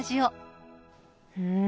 うん。